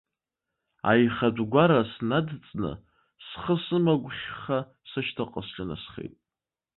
Аихатә гәара снадҵны, схы сымагәхьха сышьҭахьҟа сҿынасхеит.